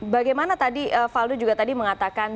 bagaimana tadi waldo juga mengatakan